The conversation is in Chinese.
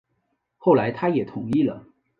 后来他也同意了